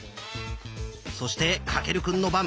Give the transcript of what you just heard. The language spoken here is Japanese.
そして翔くんの番。